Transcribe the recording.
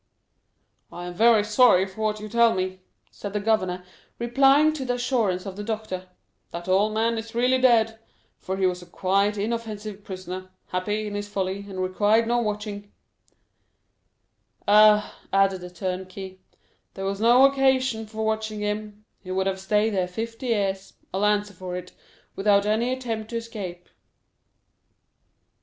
"I am very sorry for what you tell me," said the governor, replying to the assurance of the doctor, "that the old man is really dead; for he was a quiet, inoffensive prisoner, happy in his folly, and required no watching." "Ah," added the turnkey, "there was no occasion for watching him; he would have stayed here fifty years, I'll answer for it, without any attempt to escape."